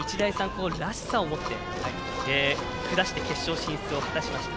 高らしさをもって下して決勝進出を果たしました。